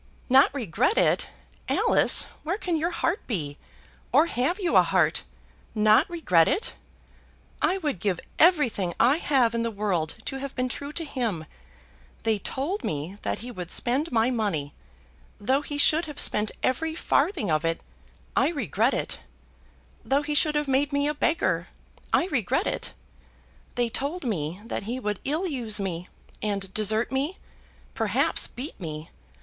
"Not regret it! Alice, where can your heart be? Or have you a heart? Not regret it! I would give everything I have in the world to have been true to him. They told me that he would spend my money. Though he should have spent every farthing of it, I regret it; though he should have made me a beggar, I regret it. They told me that he would ill use me, and desert me, perhaps beat me.